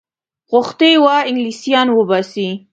غوښتي وه انګلیسیان وباسي.